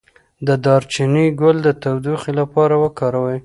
د دارچینی ګل د تودوخې لپاره وکاروئ